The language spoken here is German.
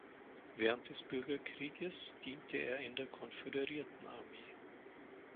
Während des Bürgerkrieges diente er in der Konföderiertenarmee.